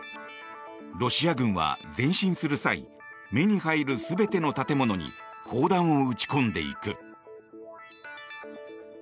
ロシア軍は前進する際目に入る全ての建物に砲弾を撃ち込んでいく。